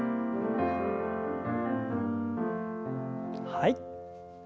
はい。